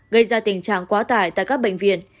gây ra tình trạng quá tải tại các bệnh viện